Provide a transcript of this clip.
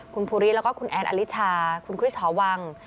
คุณผูริแล้วก็คุณแอนด์อลิชค์คุณคริสฉอหว่าง